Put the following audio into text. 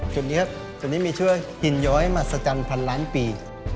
จุดนี้จุดนี้มีชื่อหินย้อยมหัศจรรย์พันล้านปี